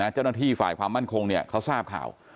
เจ้าหน้าที่ฝ่ายความมั่นคงเขาทราบข่าว